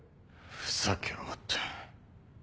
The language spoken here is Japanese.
ふざけやがって。